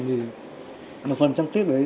thì một phần trong clip đấy